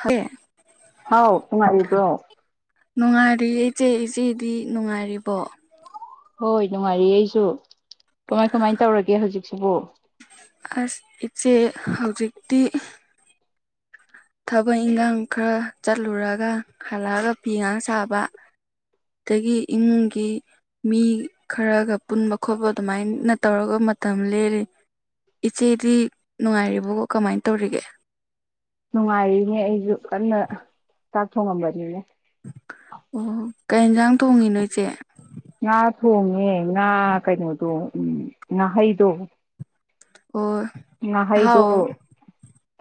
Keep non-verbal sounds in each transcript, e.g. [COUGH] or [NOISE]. ꯍ [INAUDIBLE] ꯍꯥꯎ ꯅꯨꯡꯉꯥꯏꯔꯤꯕ꯭ꯔꯣ? ꯅꯨꯡꯉꯥꯏꯔꯤꯌꯦ ꯏꯆꯦ ꯏꯆꯦꯗꯤ ꯅꯨꯡꯉꯥꯏꯔꯤꯕꯣ ꯍꯣꯏ ꯅꯨꯡꯉꯥꯏꯔꯤꯌꯦ ꯑꯩꯁꯨ ꯀꯃꯥꯏ ꯀꯃꯥꯏ ꯇꯧꯔꯒꯦ ꯍꯧꯖꯤꯛꯁꯤꯕꯨ ꯑꯁ ꯏꯆꯦ ꯍꯧꯖꯤꯛꯇꯤ ꯊꯕꯛ ꯏꯟꯈꯥꯡ ꯈꯔ ꯆꯠꯂꯨꯔꯒ ꯍꯜꯂꯛꯑꯒ ꯐꯤ ꯉꯥꯏꯍꯥꯛ ꯁꯥꯕ ꯑꯗꯒꯤ ꯏꯃꯨꯡꯒꯤ ꯃꯤ ꯈꯔꯒ ꯄꯨꯟꯕ ꯈꯣꯠꯄ ꯑꯗꯨꯃꯥꯏꯅ ꯇꯧꯔꯒ ꯃꯇꯝ ꯂꯦꯂꯤꯅꯦ ꯏꯆꯦꯗꯤ ꯅꯨꯡꯉꯥꯏꯔꯤꯕꯣ ꯀꯃꯥꯏꯅ ꯇꯧꯔꯤꯒꯦ ꯅꯨꯡꯉꯥꯏꯔꯤꯅꯦ ꯑꯩꯁꯨ ꯀꯟꯅ ꯆꯥꯛ ꯊꯣꯡꯉꯝꯕꯅꯤꯅꯦ ꯑꯣ ꯀꯩ ꯌꯦꯟꯁꯥꯡ ꯊꯣꯡꯉꯤꯅꯣ ꯏꯆꯦ ꯉꯥ ꯊꯣꯡꯉꯦ ꯉꯥ ꯀꯩꯅꯣꯗꯣ ꯎꯝ ꯉꯥꯍꯩꯗꯣ ꯍꯣꯏ ꯉꯍꯩꯗꯣ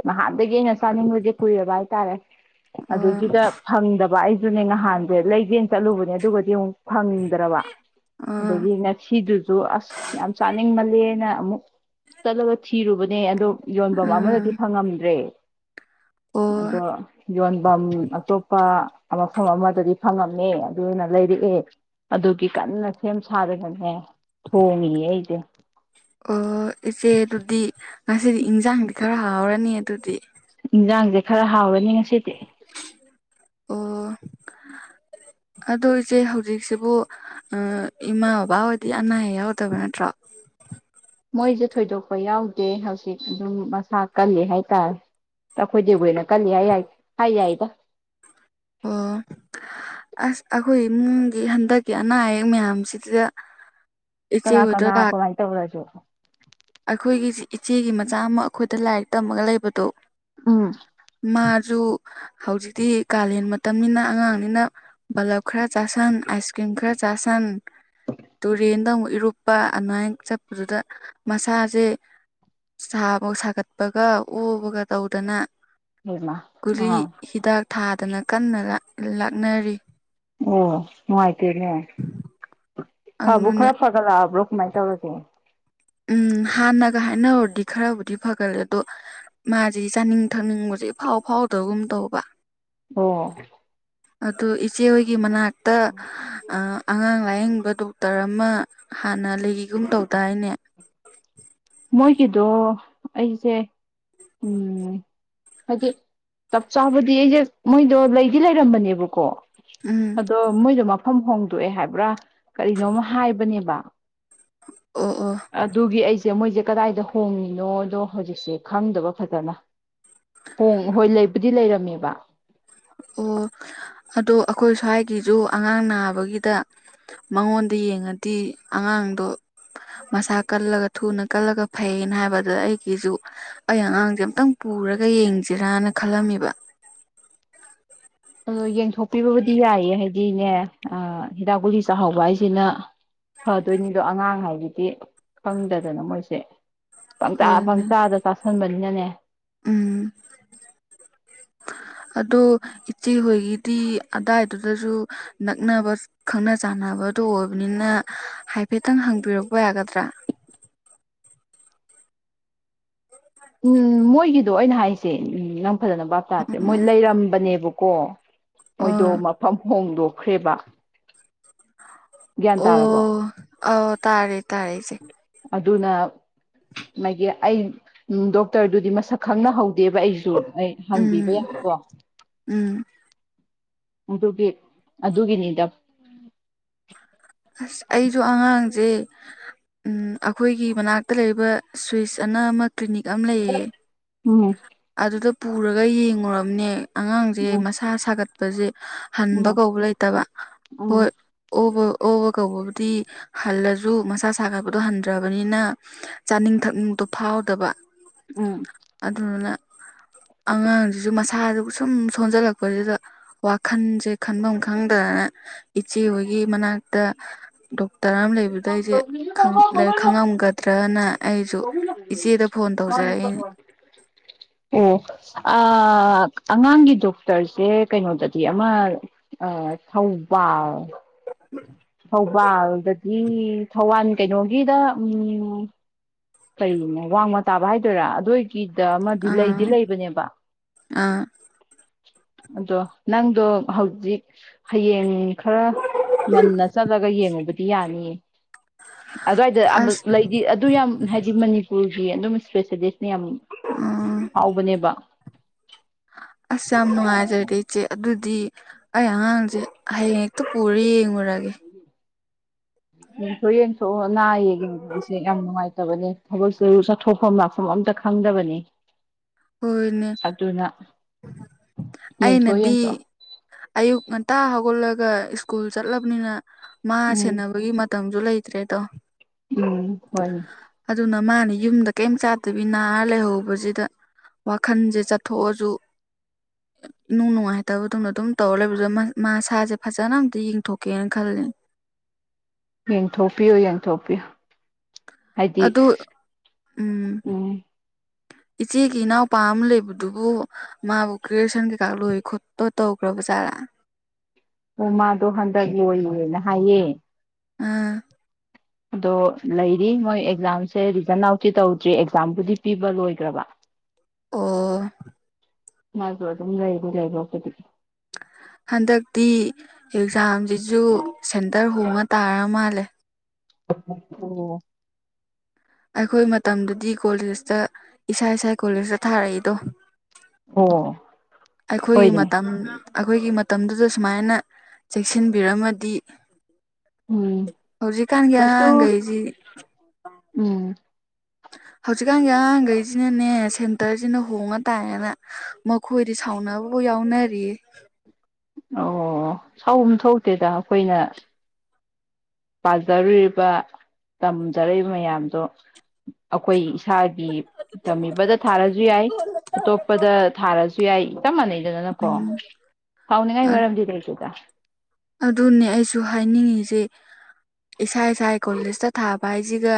ꯅꯍꯥꯟꯗꯒꯤ ꯑꯩꯅ ꯆꯥꯅꯤꯡꯕꯁꯦ ꯀꯨꯏꯔꯕ ꯍꯥꯏꯇꯥꯔꯦ꯫ ꯑꯣ ꯑꯣ ꯑꯗꯨꯒꯤꯗ ꯐꯪꯗꯕ ꯑꯩꯁꯨꯅꯦ ꯉꯍꯥꯟꯁꯦ ꯂꯩꯒꯦꯅ ꯆꯠꯂꯨꯕꯅꯦ ꯑꯗꯨꯒꯗꯤ ꯌꯦꯡꯉꯨ꯫ ꯐꯪꯗ꯭ꯔꯥꯕ ꯑꯗꯒꯤ___ ꯁꯤꯗꯨꯁꯨ ꯑꯁ ꯌꯥꯝ ꯆꯥꯅꯤꯡꯃꯜꯂꯦꯅ ꯑꯃꯨꯛ ꯆꯠꯂꯒ ꯊꯤꯔꯨꯕꯅꯦ ꯑꯗꯣ__ ꯌꯣꯟꯕꯝ ꯑꯃꯗꯗꯤ ꯎꯝ ꯐꯪꯉꯝꯗ꯭ꯔꯦ꯫ ꯑꯣ ꯑꯗꯣ ꯌꯣꯟꯕꯝ ꯑꯇꯣꯞꯄ꯫ ꯃꯐꯝ ꯑꯃꯗꯗꯤ ꯐꯪꯉꯝꯃꯦ ꯑꯗꯨꯅ ꯂꯩꯔꯛꯑꯦ ꯑꯗꯨꯒꯤ ꯀꯟꯅ ꯁꯦꯝ ꯁꯥꯔꯒꯅꯦ ꯊꯣꯡꯉꯤꯌꯦ ꯑꯩꯁꯦ꯫ ꯑꯣ ꯏꯆꯦ ꯑꯗꯨꯗꯤ ꯉꯁꯤꯗꯤ ꯏꯟꯖꯥꯡꯗꯤ ꯈꯔ ꯍꯥꯎꯔꯅꯤ ꯑꯗꯨꯗꯤ꯫ ꯏꯟꯖꯥꯡꯁꯦ ꯈꯔ ꯍꯥꯎꯔꯅꯤ ꯉꯁꯤꯗꯤ꯫ ꯑꯣ___ ꯑꯗꯨ ꯏꯆꯦ ꯍꯧꯖꯤꯛꯁꯤꯕꯨ ꯑ ꯏꯃꯥ ꯕꯕꯥ ꯑꯣꯏꯗꯤ ꯑꯅꯥ ꯑꯌꯦꯛ ꯌꯥꯎꯗꯕ ꯅꯠꯇ꯭ꯔꯣ? ꯃꯣꯏꯁꯦ ꯊꯣꯏꯗꯣꯛꯄ ꯌꯥꯎꯗꯦ ꯍꯧꯖꯤꯛ ꯑꯗꯨꯝ ꯃꯁꯥ ꯀꯜꯂꯤ ꯍꯥꯏꯇꯥꯔꯦ꯫ ꯑꯩꯈꯣꯏꯗꯩꯕꯨ ꯍꯦꯟꯅ ꯀꯜ ꯌꯥꯏ ꯌꯥꯏ ꯍꯥꯏ ꯌꯥꯏꯗ ꯑꯣ ꯑꯁ ꯑꯩꯈꯣꯏ ꯏꯃꯨꯡꯗꯤ ꯍꯟꯗꯛꯀꯤ ꯑꯅꯥ ꯑꯌꯦꯛ ꯃꯌꯥꯝꯁꯤꯗ ꯏꯆꯦ ꯀꯅꯥ ꯍꯣꯏꯗ ꯀꯅꯥ ꯂꯥꯛ ꯀꯃꯥꯏ ꯇꯧꯔꯒꯦ ꯑꯩꯈꯣꯏꯒꯤ ꯏꯆꯦꯒꯤ ꯃꯆꯥ ꯑꯃ ꯑꯩꯈꯣꯏꯗ ꯂꯥꯏꯔꯤꯛ ꯇꯝꯃꯒ ꯂꯩꯕꯗꯣ ꯎꯝ ꯃꯥꯁꯨ ꯍꯧꯖꯤꯛꯇꯤ ꯀꯥꯂꯦꯟ ꯃꯇꯝꯅꯤꯅ ꯑꯉꯥꯡꯅꯤꯅ ꯕꯜꯂꯞ ꯈꯔ ꯆꯥꯁꯟ ꯑꯥꯏꯁ ꯀ꯭ꯔꯤꯝ ꯈꯔ ꯆꯥꯁꯟ ꯇꯨꯔꯦꯟꯗ ꯑꯃꯨꯛ ꯏꯔꯨꯞ ꯅꯨꯄꯥ ꯑꯃꯥꯏ ꯆꯠꯄꯗꯨꯗ ꯃꯁꯥꯁꯦ ꯁꯥꯕ ꯁꯥꯒꯠꯄꯒ ꯑꯣꯕꯒ ꯇꯧꯗꯅ ꯍꯩꯃ ꯒꯨꯂꯤ ꯑꯥ ꯍꯤꯗꯥꯛ ꯊꯥꯗꯅ ꯀꯟꯅ ꯂꯥꯛ ꯂꯥꯛꯅꯔꯤ ꯑꯣ ꯅꯨꯡꯉꯥꯏꯇꯦꯅꯦ ꯐꯕꯨ ꯑꯗꯨꯅꯦ ꯈꯔ ꯐꯒꯠꯂꯛꯑꯕ꯭ꯔꯣ ꯀꯃꯥꯏꯅ ꯇꯧꯔꯒꯦ ꯎꯝ ꯍꯥꯟꯅꯒ ꯍꯥꯏꯅꯔꯨꯔꯗꯤ ꯈꯔꯕꯨꯗꯤ ꯐꯒꯠꯂꯦ ꯑꯗꯣ ꯃꯥꯁꯤ ꯆꯥꯅꯤꯡ ꯊꯛꯅꯤꯡꯕꯁꯦ ꯏꯐꯥꯎ ꯐꯥꯎꯗꯕꯒꯨꯝ ꯇꯧꯕ ꯑꯣ ꯑꯗꯨ ꯏꯆꯦ ꯍꯣꯏꯒꯤ ꯃꯅꯥꯛꯇ ꯑꯥ ꯑꯉꯥꯡ ꯂꯥꯏꯌꯦꯡꯕ ꯗꯣꯛꯇꯔ ꯑꯃ ꯍꯥꯟꯅ ꯂꯩꯒꯤꯒꯨꯝ ꯇꯧꯗꯥꯏꯅꯦ ꯃꯣꯏꯒꯤꯗꯣ ꯑꯩꯁꯦ ꯎꯝ ꯍꯥꯏꯗꯤ ꯆꯞ ꯆꯥꯕꯗꯤ ꯑꯩꯁꯦ ꯃꯣꯏꯗꯣ ꯂꯩꯗꯤ ꯂꯩꯔꯝꯕꯅꯦꯕꯀꯣ ꯎꯝ ꯑꯗꯣ ꯃꯣꯏꯗꯣ ꯃꯐꯝ ꯍꯣꯡꯗꯣꯛꯑꯦ ꯍꯥꯏꯕ꯭ꯔꯥ ꯀꯔꯤꯅꯣꯝꯃ ꯍꯥꯏꯕꯅꯦꯕ ꯑꯣ ꯑꯣ ꯑꯗꯨꯒꯤ ꯑꯩꯁꯦ ꯃꯣꯏꯁꯦ ꯀꯗꯥꯏꯗ ꯍꯣꯡꯉꯤꯅꯣꯗꯣ ꯍꯧꯖꯤꯛꯁꯦ ꯈꯪꯗꯕ ꯐꯖꯅ ꯍꯣ ꯍꯣꯏ ꯂꯩꯕꯨꯗꯤ ꯂꯩꯔꯝꯃꯦꯕ ꯑꯣ ꯑꯗꯣ ꯑꯩꯈꯣꯏ ꯁ꯭ꯋꯥꯏꯒꯤꯁꯨ ꯑꯉꯥꯡ ꯅꯥꯕꯒꯤꯗ ꯃꯉꯣꯟꯗ ꯌꯦꯡꯉꯗꯤ ꯑꯉꯥꯡꯗꯣ ꯃꯁꯥ ꯀꯜꯂꯒ ꯊꯨꯅ ꯀꯜꯂꯒ ꯐꯩꯅ ꯍꯥꯏꯕꯗ ꯑꯩꯒꯤꯁꯨ ꯑꯩ ꯑꯉꯥꯡꯁꯦ ꯑꯃꯨꯇꯪ ꯄꯨꯔꯒ ꯌꯦꯡꯁꯤꯔꯅ ꯈꯜꯂꯝꯃꯤꯕ ꯑꯗꯣ ꯌꯦꯡꯊꯣꯛꯄꯤꯕꯕꯨꯗꯤ ꯌꯥꯏꯌꯦ ꯍꯥꯏꯗꯤꯅꯦ ꯍꯤꯗꯥꯛ ꯒꯨꯂꯤ ꯆꯥꯛꯍꯥꯎꯕ ꯍꯥꯏꯁꯤꯅ ꯐꯗꯣꯏꯅꯤꯗꯣ ꯑꯉꯥꯡ ꯍꯥꯏꯕꯗꯤ ꯈꯪꯗꯗꯅ ꯃꯣꯏꯁꯦ ꯄꯪꯆꯥ ꯍꯣꯏꯅꯦ ꯄꯪꯆꯥꯗ ꯆꯥꯁꯟꯕꯅꯤꯅꯅꯦ ꯎꯝ ꯑꯗꯣ ꯏꯆꯦꯍꯣꯏꯒꯤꯗꯤ ꯑꯗꯥꯏꯗꯨꯗꯁꯨ ꯅꯛꯅꯕ ꯈꯪꯅ ꯆꯥꯟꯅꯕꯗꯣ ꯑꯣꯏꯕꯅꯤꯅ ꯍꯥꯏꯐꯦꯠꯇꯪ ꯍꯪꯕꯤꯔꯛꯄ ꯌꯥꯒꯗ꯭ꯔꯥ ꯎꯝ ꯃꯣꯏꯒꯤꯗꯣ ꯑꯣꯏꯅ ꯍꯥꯏꯁꯦ ꯅꯪ ꯐꯖꯅ ꯚꯞ ꯇꯥꯗ꯭ꯔꯦ ꯃꯣꯏ ꯎꯝ ꯂꯩꯔꯝꯕꯅꯦꯕꯀꯣ ꯃꯣꯏꯗꯣ ꯑꯣ ꯃꯐꯝ ꯍꯣꯡꯗꯣꯛꯈ꯭ꯔꯦꯕ ꯒ꯭ꯌꯥꯟ ꯇꯥꯔꯕꯣ ꯑꯣ ꯇꯥꯔꯦ ꯇꯥꯔꯦ ꯏꯆꯦ ꯑꯗꯨꯅ ꯃꯥꯒꯤ ꯑꯩ ꯗꯣꯛꯇꯔꯗꯨꯗꯤ ꯃꯁꯛ ꯈꯪꯅꯍꯧꯗꯦꯕ ꯑꯩꯁꯨ ꯑꯩ ꯍꯪꯕꯤꯕ ꯎꯝ ꯌꯥꯗ꯭ꯔꯣ ꯎꯝ ꯑꯗꯨꯒꯤ ꯑꯗꯨꯒꯤꯅꯤꯗ ꯑꯁ ꯑꯩꯁꯨ ꯑꯉꯥꯡꯁꯦ ꯎꯝ ꯑꯩꯈꯣꯏꯒꯤ ꯃꯅꯥꯛꯇ ꯂꯩꯕ ꯁ꯭ꯋꯤꯁ ꯑꯅ ꯑꯃ ꯀ꯭ꯂꯤꯅꯤꯛ ꯑꯃ ꯂꯩꯌꯦ ꯎꯝ ꯑꯗꯨꯗ ꯄꯨꯔꯒ ꯌꯦꯡꯉꯨꯔꯕꯅꯦ ꯑꯉꯥꯡꯁꯦ ꯎꯝ ꯃꯁꯥ ꯁꯥꯒꯠꯄꯁꯦ ꯎꯝ ꯍꯟꯕ ꯀꯧꯕ ꯂꯩꯇꯕ ꯍꯣꯏ ꯑꯣꯕ ꯑꯣꯕ ꯀꯧꯕꯕꯨꯗꯤ ꯍꯜꯂꯁꯨ ꯃꯁꯥ ꯁꯥꯒꯠꯄꯗꯣ ꯍꯟꯗ꯭ꯔꯕꯅꯤꯅ ꯆꯥꯅꯤꯡ ꯊꯛꯅꯤꯡꯕꯗꯣ ꯐꯥꯎꯗꯕ ꯎꯝ ꯑꯗꯨꯗꯨꯅ ꯑꯉꯥꯡꯁꯤꯁꯨ ꯃꯁꯥꯗꯨ ꯁꯨꯝ ꯁꯣꯟꯖꯜꯂꯛꯄꯁꯤꯗ ꯋꯥꯈꯟꯁꯦ ꯈꯟꯐꯝ ꯈꯪꯗ ꯏꯆꯦ ꯍꯣꯏꯒꯤ ꯃꯅꯥꯛꯇ ꯇꯔꯥꯝ ꯂꯩꯕꯗ ꯑꯩꯁꯦ ꯈꯪꯉꯝꯒꯗ꯭ꯔꯅ ꯑꯩꯁꯨ ꯏꯆꯦꯗ ꯐꯣꯟ ꯇꯧꯖꯔꯛꯏꯅꯤ ꯑꯣ ꯑꯉꯥꯡꯒꯤ ꯗꯣꯛꯇꯔꯁꯦ ꯀꯩꯅꯣꯗꯗꯤ ꯑꯃ ꯑ ꯊꯧꯕꯥꯜ ꯊꯧꯕꯥꯜ ꯏ ꯊꯧꯕꯥꯜ ꯀꯩꯅꯣꯒꯤꯗ ꯎꯝ ꯀꯔꯤꯅꯣ ꯋꯥꯡꯃ ꯇꯥꯕ ꯍꯥꯏꯗꯣꯏꯔꯥ ꯑꯗꯨꯏꯒꯤꯗ ꯑꯃꯗꯤ ꯂꯩꯗꯤ ꯑꯥ ꯂꯩꯕꯅꯦꯕ [INAUDIBLE] ꯑꯗꯣ ꯅꯪꯗꯣ ꯍꯧꯖꯤꯛ ꯍꯌꯦꯡ ꯈꯔ ꯉꯟꯅ ꯆꯠꯂꯒ ꯌꯦꯡꯉꯨꯕ ꯌꯥꯅꯤꯌꯦ ꯑꯗꯨꯋꯥꯏꯗ ꯑꯁ ꯂꯩꯗꯤ ꯑꯗꯨ ꯌꯥꯝ ꯍꯥꯏꯗꯤ ꯃꯅꯤꯄꯨꯔꯒꯤ ꯑꯗꯨꯝ ꯏꯁꯄꯦꯁꯦꯂꯤꯁꯅ ꯌꯥꯝ ꯑ ꯐꯥꯎꯕꯅꯦꯕ ꯑꯁ ꯌꯥꯝ ꯅꯨꯡꯉꯥꯏꯖꯔꯦ ꯏꯆꯦ ꯑꯗꯨꯗꯤ ꯑꯩꯍꯥꯟ ꯍꯌꯦꯡ ꯍꯦꯛꯇ ꯄꯨꯔ ꯌꯦꯡꯂꯡꯉꯨꯔꯒꯦ ꯌꯦꯡꯊꯣꯛ ꯌꯦꯡꯊꯣꯛꯑꯣ ꯑꯅꯥ ꯑꯌꯦꯡꯅꯤꯡꯕꯒꯤꯁꯦ ꯌꯥꯝ ꯅꯨꯡꯉꯥꯏꯇꯕꯅꯤ ꯊꯕꯛꯁꯨ ꯆꯠꯊꯣꯛꯐꯝ ꯂꯥꯛꯐꯝ ꯑꯝꯇ ꯈꯪꯗꯕꯅꯤ ꯍꯣꯏꯅꯦ ꯑꯗꯨꯅ ꯌꯦꯡꯊꯣꯛ ꯑꯩꯅꯗꯤ ꯌꯦꯡꯊꯣꯛ ꯑꯌꯨꯛ ꯉꯟꯇꯥ ꯍꯧꯒꯠꯂꯒ ꯁ꯭ꯀꯨꯜ ꯆꯠꯂꯕꯅꯤꯅ ꯃꯥ ꯎꯝ ꯁꯦꯟꯅꯕꯒꯤ ꯃꯇꯝꯖꯨ ꯂꯩꯇ꯭ꯔꯦꯗꯣ ꯎꯝ ꯍꯣꯏꯅꯦ ꯑꯗꯨꯅ ꯃꯥꯅ ꯌꯨꯝꯗ ꯀꯔꯤꯝ ꯆꯥꯠꯇꯕꯤ ꯅꯥꯔ ꯂꯩꯍꯧꯕꯁꯤꯗ ꯋꯥꯈꯟꯁꯦ ꯆꯠꯊꯣꯛꯑꯁꯨ ꯅꯨꯡ ꯅꯨꯡꯉꯥꯏꯇꯕꯗꯨꯅ ꯑꯗꯨꯝ ꯇꯧꯔ ꯂꯩꯕꯗꯨꯗ ꯃꯥꯁꯥꯁꯦ ꯐꯖꯅ ꯑꯝꯇ ꯌꯦꯡꯊꯣꯛꯀꯦꯅ ꯈꯜꯂꯤ ꯌꯦꯡꯊꯣꯛꯄꯤꯌꯨ ꯌꯦꯡꯊꯣꯛꯄꯤꯌꯨ ꯍꯥꯏꯗꯤ ꯑꯗꯨ ꯎꯝ ꯏꯆꯦꯒꯤ ꯏꯅꯥꯎꯄꯥ ꯑꯃ ꯂꯩꯕꯗꯨꯕꯨ ꯃꯥꯕꯨ ꯒꯔ꯭ꯦ ꯖꯨꯏꯁꯟ ꯀꯩꯀꯥ ꯂꯣꯏ ꯈꯣꯠꯇ ꯇꯧꯈ꯭ꯔꯕ ꯖꯥꯔꯥ ꯎꯃꯗꯣ ꯍꯟꯗꯛ ꯂꯣꯏꯌꯦꯅ ꯍꯥꯏꯌꯦ ꯑꯥ ꯑꯗꯣ ꯂꯩꯔꯤ ꯃꯣꯏ ꯑꯦꯛꯖꯥꯝꯁꯦ ꯔꯤꯖꯟ ꯑꯥꯎꯠꯇꯤ ꯇꯧꯗ꯭ꯔꯤ ꯑꯦꯛꯖꯥꯝꯕꯨꯗꯤ ꯄꯤꯕ ꯂꯣꯏꯈ꯭ꯔꯕ ꯑꯣ ꯃꯥꯁꯨ ꯑꯗꯨꯝ ꯂꯩꯗꯤ ꯂꯩꯕ ꯑꯗꯨꯗꯤꯗꯤ ꯍꯟꯗꯛꯇꯤ ꯑꯦꯛꯖꯥꯝꯁꯤꯁꯨ ꯁꯦꯟꯇꯔ ꯍꯣꯡꯉ ꯇꯥꯔ ꯃꯥꯜꯂꯦ ꯑꯣ ꯑꯩꯈꯣꯏ ꯃꯇꯝꯗꯗꯤ ꯀꯣꯂꯦꯖꯇ ꯏꯁꯥ ꯏꯁꯥ ꯀꯣꯂꯦꯖꯇ ꯊꯥꯔꯛꯏꯗꯣ ꯑꯣ ꯑꯩꯈꯣꯏꯒꯤ ꯍꯣꯏꯅꯦ ꯃꯇꯝ ꯑꯩꯈꯣꯏꯒꯤ ꯃꯇꯝꯗꯨꯗ ꯁꯨꯃꯥꯏꯅ ꯆꯦꯛꯁꯤꯟꯕꯤꯔꯝꯃꯗꯤ ꯎꯝ ꯀꯩꯁꯨ ꯍꯧꯖꯤꯛꯀꯥꯟꯒꯤꯥꯡꯒꯩꯁꯤ ꯎꯝ ꯍꯧꯖꯤꯛꯀꯥꯟꯒꯤ ꯑꯉꯥꯡꯈꯩꯁꯤꯅꯅꯦ ꯁꯦꯟꯇꯔꯁꯤꯅ ꯍꯣꯡꯉ ꯇꯥꯏꯔꯅ ꯃꯈꯣꯏꯗꯤ ꯁꯥꯎꯅꯕꯕꯨ ꯌꯥꯎꯅꯔꯤꯌꯦ ꯑꯣ ꯁꯥꯎꯨꯝ ꯊꯣꯛꯧꯇꯦꯗ ꯑꯩꯈꯣꯏꯅ ꯄꯥꯖꯔꯨꯔꯤꯕ ꯇꯝꯖꯔꯛꯏꯕ ꯃꯌꯥꯝꯗꯣ ꯑꯩꯈꯣꯏ ꯏꯁꯥꯒꯤ ꯇꯝꯃꯤꯕꯗ ꯊꯥꯔꯁꯨ ꯌꯥꯏ ꯑꯇꯣꯞꯄꯗ ꯊꯥꯔꯁꯨ ꯌꯥꯏ ꯆꯞ ꯃꯥꯟꯅꯩ ꯑꯗꯨ ꯑꯗꯨꯗꯅꯀꯣ ꯎꯝ ꯍꯥꯎꯅꯤꯡꯉꯥꯏ ꯃꯔꯝꯗꯤ ꯀꯩꯗꯦꯗ ꯑꯗꯨꯅꯦ ꯑꯩꯁꯨ ꯍꯥꯏꯅꯤꯡꯉꯁꯤꯦ ꯏꯁꯥ ꯏꯁꯥ ꯀꯣꯂꯦꯖꯇ ꯊꯥꯕ ꯍꯥꯏꯁꯤꯒ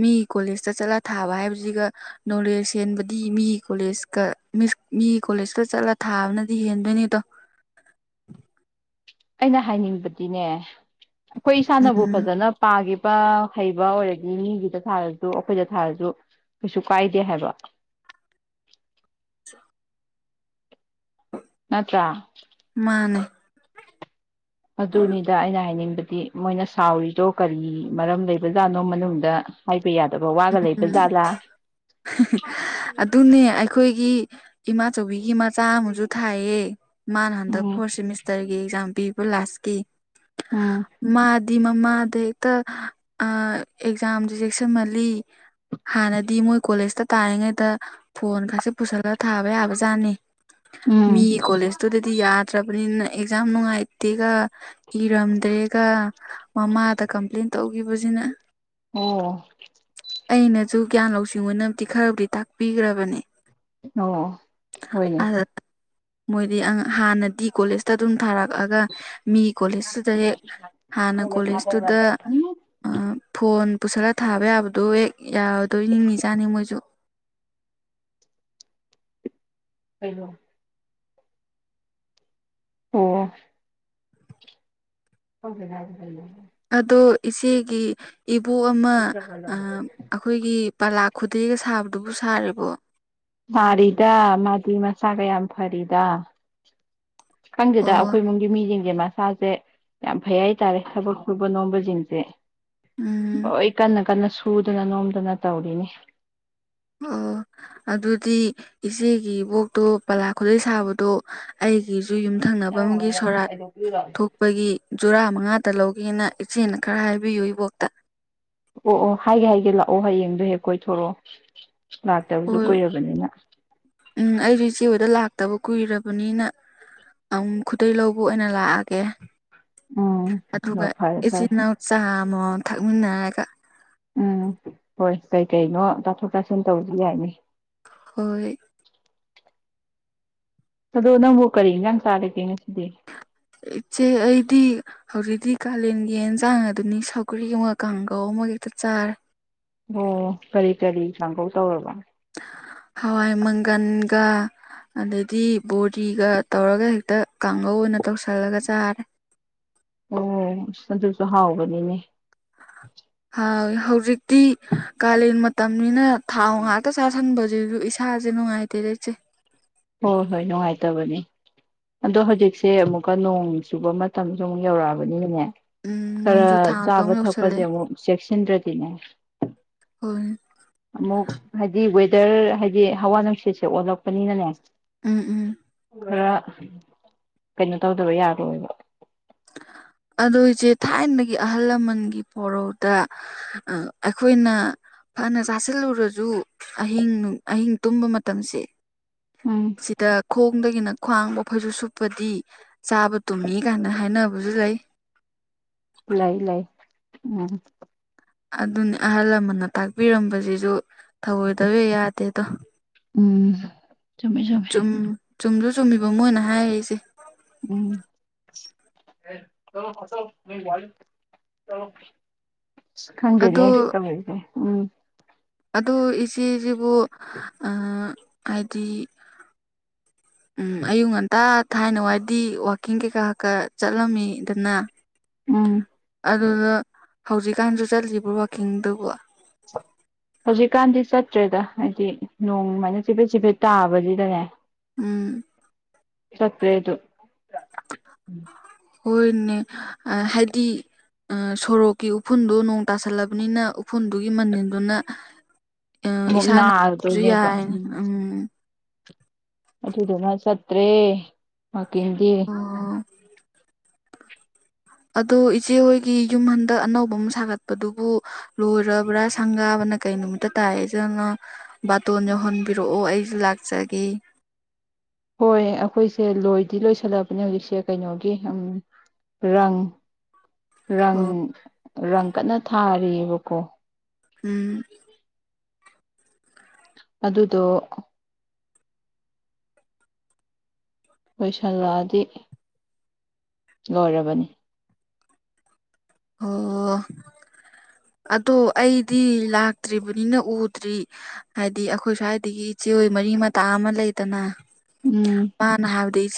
ꯃꯤ ꯀꯣꯂꯦꯖꯇ ꯆꯠꯂ ꯊꯥꯕ ꯍꯥꯏꯕꯁꯤꯒ ꯅꯣꯂꯦꯖ ꯍꯦꯟꯕꯗꯤ ꯃꯤ ꯀꯣꯂꯦꯖꯀ ꯃꯤꯒꯤ ꯀꯣꯂꯦꯖꯇ ꯆꯠꯂ ꯊꯥꯕꯅꯗꯤ ꯍꯦꯟꯗꯣꯏꯅꯦ ꯑꯗꯣ ꯑꯩꯅ ꯍꯥꯏꯅꯤꯡꯕꯗꯤꯅꯦ ꯑꯩꯈꯣꯏ ꯏꯁꯥꯅꯕꯨ ꯎꯝ ꯐꯖꯅ ꯄꯥꯈꯤꯕ ꯍꯩꯕ ꯑꯣꯏꯔꯗꯤ ꯃꯤꯒꯤꯗ ꯊꯥꯔꯁꯨ ꯑꯩꯈꯣꯏꯗ ꯊꯥꯔꯁꯨ ꯀꯩꯁꯨ ꯀꯥꯏꯗꯦ ꯍꯥꯏꯕ ꯅꯠꯇ꯭ꯔ ꯃꯥꯅꯦ ꯑꯗꯨꯅꯤꯗ ꯑꯩꯅ ꯍꯥꯏꯅꯤꯡꯕꯗꯤ ꯃꯣꯏꯅ ꯁꯥꯎꯔꯤꯗꯣ ꯀꯔꯤ ꯃꯔꯝ ꯂꯩꯕꯖꯥꯠꯅꯣ ꯃꯅꯨꯡꯗ ꯍꯥꯏꯕ ꯌꯥꯗꯕ ꯋꯥꯒ ꯂꯩꯕ ꯎꯝ ꯖꯥꯠꯂꯥ ꯑꯗꯨꯅꯦ ꯑꯩꯈꯣꯏꯒꯤ ꯏꯃꯥꯆꯧꯕꯤꯒꯤ ꯃꯆꯥꯥ ꯑꯃꯁꯨ ꯊꯥꯏꯌꯦ ꯃꯥꯅ ꯍꯟꯗꯛ ꯎꯝ ꯐꯣꯔꯠ ꯁꯦꯃꯤꯁꯇꯔꯒꯤ ꯑꯦꯛꯖꯥꯝ ꯄꯤꯕ ꯂꯥꯁꯀꯤ ꯎꯝ ꯃꯥꯗꯤ ꯃꯃꯥꯗꯩ ꯍꯦꯛꯇ ꯑꯦꯛꯖꯥꯝꯁꯨ ꯆꯦꯛꯁꯤꯟꯃꯜꯂꯤ ꯍꯥꯟꯅꯗꯤ ꯃꯣꯏ ꯀꯣꯂꯦꯖꯇ ꯇꯥꯔꯤꯉꯩꯗ ꯐꯣꯟ ꯒꯁꯤ ꯄꯨꯁꯜꯂꯒ ꯊꯥꯕ ꯌꯥꯕ ꯖꯥꯠꯅꯤ ꯎꯝ ꯃꯤꯒꯤ ꯀꯣꯂꯦꯖ ꯨꯇꯨꯗꯗꯤ ꯌꯥꯗ꯭ꯔꯕꯅꯤꯅ ꯑꯦꯛꯖꯥꯝ ꯅꯨꯡꯉꯥꯏꯇꯦꯒ ꯏꯔꯝꯗ꯭ꯔꯦꯒ ꯃꯃꯥꯗ ꯀꯝꯄ꯭ꯂꯦꯟ ꯇꯧꯈꯤꯕꯁꯤꯅ ꯑꯣ ꯑꯩꯅꯁꯨ ꯒ꯭ꯌꯥꯟ ꯂꯧꯁꯤꯡ ꯑꯣꯏꯅꯕꯗꯤ ꯈꯔꯕꯨꯗꯤ ꯇꯥꯛꯄꯤꯈ꯭ꯔꯕꯅꯦ ꯑꯣ ꯍꯣꯏꯅꯦ ꯑꯗ ꯃꯣꯏꯗꯤ ꯍꯥꯟꯅꯗꯤ ꯀꯣꯂꯦꯖꯇ ꯑꯗꯨꯝ ꯊꯥꯔꯛꯑꯒ ꯃꯤ ꯀꯣꯂꯦꯖꯇꯨꯗ ꯍꯦꯛ ꯍꯥꯟꯅ ꯀꯣꯂꯦꯖ ꯇꯨꯗ ꯐꯣꯟ ꯄꯨꯁꯜꯂ ꯊꯥꯕ ꯌꯥꯕꯗꯣ ꯍꯦꯛ ꯌꯥꯔꯗꯣꯏ ꯅꯤꯡꯉꯤꯖꯥꯠꯅꯤ ꯃꯣꯏꯁꯨ ꯀꯩꯕꯣ ꯑꯣ ꯍ ꯑꯗꯨꯗ [INAUDIBLE] ꯑꯗꯣ ꯏꯆꯦꯒꯤ ꯏꯕꯣꯛ ꯑꯃ ꯑꯩꯈꯣꯏꯒꯤ ꯄꯂꯥ ꯈꯨꯗꯩꯒ ꯁꯥꯕꯗꯨꯕꯨ ꯁꯥꯔꯤꯕꯣ ꯁꯥꯔꯤꯗ ꯃꯥꯗꯤ ꯃꯁꯥꯒ ꯌꯥꯝ ꯐꯔꯤꯗ ꯈꯪꯗꯦꯗ ꯑꯣ ꯑꯩꯈꯣꯏ ꯏꯃꯨꯡꯒꯤ ꯃꯤꯁꯤꯡ ꯃꯁꯥꯁꯦ ꯌꯥꯝ ꯐꯩ ꯍꯥꯏꯇꯥꯔꯦ ꯊꯕꯛ ꯁꯨꯕ ꯅꯣꯝꯕꯁꯤꯡꯁꯦ ꯎꯝ ꯂꯣꯏ ꯀꯟꯅ ꯀꯟꯅ ꯁꯨꯗꯅ ꯅꯣꯝꯗꯅ ꯇꯧꯔꯤꯅꯤ ꯑꯣ ꯑꯗꯨꯗꯤ ꯏꯆꯦꯒꯤ ꯏꯕꯣꯛꯇꯣ ꯄꯂꯥ ꯈꯨꯂꯩ ꯁꯥꯕꯗꯣ ꯑꯩꯒꯤꯁꯨ ꯌꯨꯝꯊꯪꯅꯕ ꯑꯃꯒꯤ ꯁꯣꯔꯥꯠ ꯊꯣꯛ ꯑꯩꯈꯣꯏꯒꯤ ꯖꯨꯔꯥ ꯃꯉꯥꯗ ꯂꯧꯒꯦꯅ ꯏꯆꯦꯅ ꯈꯔ ꯍꯥꯏꯕꯤꯌꯨ ꯏꯕꯣꯛꯇ ꯑꯣ ꯑꯣ ꯍꯥꯏꯒꯦ ꯍꯥꯏꯒꯦ ꯂꯥꯛꯑꯣ ꯍꯌꯦꯡꯗꯣ ꯍꯦꯛ ꯀꯣꯏꯊꯣꯔꯛꯑꯣ ꯂꯥꯛꯇꯕꯁꯨ ꯍꯣꯏ ꯀꯨꯏꯔꯕꯅꯤꯅ ꯎꯝ ꯑꯩꯁꯨ ꯏꯆꯦ ꯍꯣꯏꯗ ꯂꯥꯛꯇꯕ ꯀꯨꯏꯔꯕꯅꯤꯅ ꯑꯃꯨꯛ ꯈꯨꯗꯩ ꯂꯧꯕ ꯑꯣꯏꯅ ꯂꯥꯛꯑꯒꯦ ꯎꯝ ꯑꯗꯨꯒ ꯍꯣ ꯐꯔꯦ ꯐꯔꯦ ꯏꯆꯤꯟꯅꯥꯎ ꯆꯥ ꯑꯃꯃꯝ ꯊꯛꯃꯤꯟꯅꯔꯒ ꯎꯝ ꯍꯣꯏ ꯀꯩꯀꯩꯅꯣ ꯇꯥꯊꯣꯛ ꯇꯥꯁꯤꯟ ꯇꯧꯕꯁꯨ ꯌꯥꯏꯅꯦ ꯍꯣꯏ ꯑꯗꯣ ꯅꯪꯕꯨ ꯀꯔꯤ ꯏꯟꯁꯥꯡ ꯆꯥꯔꯒꯦ ꯉꯁꯤꯗꯤ ꯏꯆꯦ ꯑꯩꯗꯤ ꯍꯧꯖꯤꯛꯇꯤ ꯀꯥꯂꯦꯟꯒꯤ ꯌꯦꯟꯖꯥꯡ ꯑꯗꯨꯅꯤ ꯁꯧꯒ꯭ꯔꯤ ꯑꯃ ꯀꯥꯡꯒꯧ ꯑꯃ ꯍꯦꯛꯇ ꯆꯥꯔꯦ ꯑꯣ ꯀꯔꯤ ꯀꯔꯤ ꯀꯥꯡꯒꯧ ꯇꯧꯔꯕ ꯍꯋꯥꯏ ꯃꯪꯒꯟꯒ ꯑꯗꯩꯗꯤ ꯕꯣꯔꯤꯒ ꯇꯧꯔꯒ ꯍꯦꯛꯇ ꯀꯥꯡꯍꯧ ꯑꯣꯏꯅ ꯇꯧꯁꯜꯂꯒ ꯆꯥꯔꯦ ꯑꯣ ꯑꯁ ꯑꯗꯨꯁꯨ ꯍꯥꯎꯕꯅꯤꯅꯦ ꯍꯥꯎꯏ ꯍꯧꯖꯤꯛꯇꯤ ꯀꯥꯂꯦꯟ ꯃꯇꯝꯅꯤꯅ ꯊꯥꯎ ꯉꯥꯛꯇ ꯆꯥꯁꯤꯟꯕꯁꯤꯁꯨ ꯏꯁꯥꯁꯦ ꯅꯨꯡꯉꯥꯏꯇꯦꯗ ꯏꯆꯦ ꯍꯣꯏ ꯍꯣꯏ ꯅꯨꯡꯉꯥꯏꯇꯕꯅꯦ ꯑꯗꯣ ꯍꯧꯖꯤꯛꯁꯦ ꯑꯃꯨꯛꯀ ꯅꯣꯡ ꯆꯨꯕ ꯃꯇꯝꯁꯨ ꯑꯃꯨꯛ ꯌꯧꯔꯛꯑꯕꯅꯤꯅꯅꯦ ꯎꯝ ꯈꯔ ꯅꯣꯡꯖꯨ ꯊꯥ ꯃꯇꯝ ꯆꯥꯕ ꯊꯛꯄꯁꯦ ꯌꯧꯁꯜꯂꯛꯑꯦ ꯑꯃꯨꯛ ꯆꯦꯛꯁꯤꯟꯗ꯭ꯔꯗꯤꯅꯦ ꯍꯣꯏ ꯑꯃꯨꯛ ꯍꯥꯏꯗꯤ ꯋꯦꯗꯔ ꯍꯥꯏꯗꯤ ꯍꯋꯥ ꯅꯨꯡꯁꯤꯠꯁꯦ ꯑꯣꯜꯂꯛꯄꯅꯤꯅꯅꯦ ꯎꯝ ꯎꯝ ꯈꯔ ꯀꯩꯅꯣ ꯇꯧꯗꯕ ꯌꯥꯔꯣꯏꯕ ꯑꯗꯨꯏꯁꯦ ꯊꯥꯏꯅꯒꯤ ꯑꯍꯜ ꯂꯃꯟꯒꯤ ꯄꯣꯔꯧꯗ ꯑ ꯑꯩꯈꯣꯏꯅ ꯐꯅ ꯆꯥꯁꯤꯜꯂꯨꯔꯁꯨ ꯑꯍꯤꯡ ꯑꯍꯤꯡ ꯇꯨꯝꯕ ꯃꯇꯝꯁꯦ ꯎꯝ ꯁꯤꯗ ꯈꯣꯡꯗꯒꯤꯅ ꯈ꯭ꯋꯥꯡꯕ ꯑꯩꯈꯩꯁꯨ ꯁꯨꯞꯄꯗꯤ ꯆꯥꯕ ꯇꯨꯝꯃꯤ ꯀꯥꯏꯅ ꯍꯥꯏꯅꯕꯁꯨ ꯂꯩ ꯂꯩꯏ ꯂꯩ ꯎꯝ ꯑꯗꯨꯅꯤ ꯑꯍꯜ ꯂꯃꯟꯅ ꯇꯥꯛꯄꯤꯔꯝꯕꯁꯤꯁꯨ ꯊꯧꯑꯣꯏꯗꯕ ꯌꯥꯗꯦꯗꯣ ꯎꯝ ꯆꯨꯝꯃꯦ ꯆꯨꯝꯃꯦ ꯆꯨꯝ ꯆꯨꯝꯁꯨ ꯆꯨꯝꯃꯤꯕ ꯃꯣꯏꯅ ꯍꯥꯏꯔꯛꯏꯁꯦ [UNINTELLIGIBLE] ꯈꯪꯗꯦꯗꯤ ꯑꯗꯣ ꯇꯦ ꯎꯝ ꯑꯗꯨ ꯏꯆꯦꯁꯤꯕꯨ ꯍꯥꯏꯗꯤ ꯎꯝ ꯑꯌꯨꯛ ꯉꯟꯇꯥ ꯊꯥꯏꯅ ꯋꯥꯏꯗꯤ ꯋꯥꯋꯥꯛꯀꯤꯡ ꯀꯩꯀꯥ ꯀꯛꯀꯥ ꯆꯠꯂꯝꯃꯤꯗꯅ ꯎꯝ ꯑꯗꯨꯗ ꯍꯧꯖꯤꯛꯀꯥꯟꯁꯨ ꯆꯠꯂꯤꯕ꯭ꯔꯣ ꯋꯥꯛꯀꯤꯡꯗꯨꯕꯣ [INAUDIBLE] ꯍꯧꯖꯤꯛꯀꯥꯟꯗꯤ ꯆꯠꯇ꯭ꯔꯦꯗ ꯍꯥꯏꯗꯤ ꯅꯣꯡꯃꯥꯏꯅ ꯆꯤꯐꯦꯠ ꯆꯤꯐꯦꯠ ꯇꯥꯕꯁꯤꯗꯅꯦ ꯎꯝ ꯆꯠꯇꯦꯗꯨ ꯍꯅꯦ ꯑ ꯍꯥꯏꯗꯤ ꯁꯣꯔꯣꯛꯀꯤ ꯎꯐꯨꯟꯗꯨ ꯅꯣꯡ ꯇꯥꯁꯜꯂꯕꯅꯤꯅ ꯎꯐꯨꯜꯗꯨꯒꯤ ꯃꯅꯤꯟꯗꯨꯅ ꯎ ꯑꯃꯨꯛ ꯏꯁꯥ ꯅꯥꯕꯁꯨ ꯅꯥꯗꯣꯏꯅꯦꯕ ꯌꯥꯏ ꯎꯝ ꯑꯗꯨꯗꯨꯅ ꯆꯠꯇ꯭ꯔꯦ ꯃꯀꯤꯟꯗꯤ ꯑꯣ ꯑꯗꯣ ꯏꯆꯦ ꯍꯣꯏꯒꯤ ꯌꯨꯝ ꯍꯟꯗꯛ ꯑꯅꯧꯕ ꯑꯃ ꯁꯥꯒꯠꯄꯗꯨꯕꯨ ꯂꯣꯏꯔꯕ꯭ꯔꯥ ꯁꯪꯒꯥꯕꯅ ꯀꯩ ꯅꯨꯣꯝꯇ ꯇꯥꯏꯑꯦ ꯑꯗꯨꯅ ꯕꯥꯇꯣꯟ ꯌꯧꯍꯟꯕꯤꯔꯛꯑꯣ ꯑꯩꯁꯨ ꯂꯥꯛꯆꯒꯦ ꯍꯣꯏ ꯑꯩꯈꯣꯏꯁꯦ ꯂꯣꯏꯗꯤ ꯂꯣꯏꯁꯜꯂꯛꯑꯕꯅꯦ ꯍꯧꯖꯤꯛꯁꯦ ꯀꯩꯅꯣꯒꯤ ꯎꯝ ꯔꯪ ꯔꯪ ꯑꯣ ꯔꯪ ꯀꯟꯅ ꯊꯥꯔꯤꯑꯕꯀꯣ ꯎꯝ ꯑꯗꯨꯗꯣ ꯂꯣꯏꯁꯤꯜꯂꯛꯑꯗꯤ ꯂꯣꯔꯕꯅꯤ ꯑꯣ ꯑꯗꯣ ꯑꯩꯗꯤ ꯂꯥꯛꯇ꯭ꯔꯤꯕꯅꯤꯅ ꯎꯗ꯭ꯔꯤ ꯍꯥꯏꯗꯤ ꯑꯩꯈꯣꯏ ꯁ꯭ꯋꯥꯏꯗꯒꯤ ꯏꯆꯦꯔꯣꯏ ꯃꯔꯤ ꯃꯇꯥ ꯑꯃ ꯂꯩꯗꯅ ꯎꯝ [UNINTELLIGIBLE]